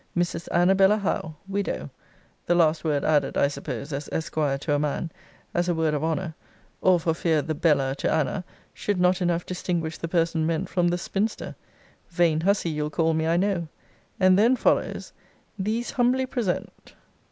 ] Mrs. ANABELLA HOWE, widow, the last word added, I suppose as Esquire to a man, as a word of honour; or for fear the bella to Anna, should not enough distinguish the person meant from the spinster: [vain hussy you'll call me, I know:] And then follows; These humbly present.